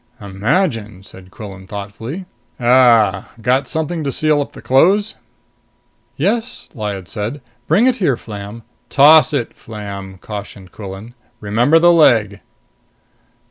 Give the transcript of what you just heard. "Imagine!" said Quillan thoughtfully. "Uh got something to seal up the clothes?" "Yes," Lyad said. "Bring it here, Flam." "Toss it, Flam!" cautioned Quillan. "Remember the leg."